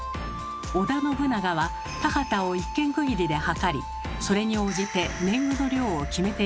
織田信長は田畑を１間区切りで測りそれに応じて年貢の量を決めていたのです。